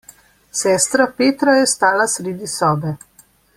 Sestra Petra je stala sredi sobe.